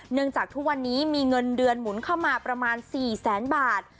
จากทุกวันนี้มีเงินเดือนหมุนเข้ามาประมาณ๔แสนบาท